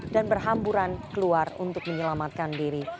dan berhamburan keluar untuk menyelamatkan diri